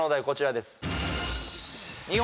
こちらです